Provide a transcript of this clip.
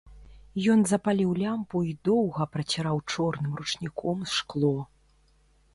Ён запаліў лямпу і доўга праціраў чорным ручніком шкло.